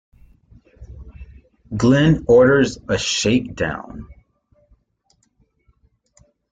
Glynn orders a shakedown.